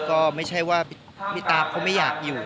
ก็ไม่ใช่ว่าพี่ตาฟเขาไม่อยากอยู่